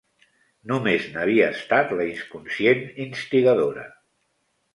Només n'havia estat la inconscient instigadora.